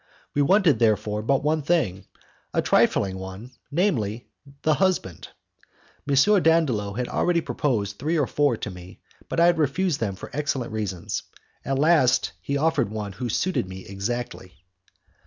We wanted, therefore, but one thing a trifling one, namely, the husband. M. Dandolo had already proposed three or four to me, but I had refused them for excellent reasons. At last he offered one who suited me exactly.